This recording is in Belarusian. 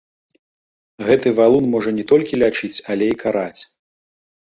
Гэты валун можа не толькі лячыць, але і караць.